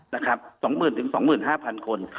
นะครับสองหมื่นถึงสองหมื่นห้าพันคน